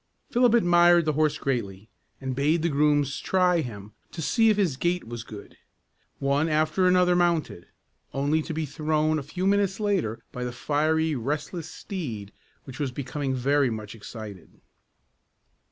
Philip admired the horse greatly, and bade the grooms try him, to see if his gait was good. One after another mounted, only to be thrown a few minutes later by the fiery, restless steed, which was becoming very much excited.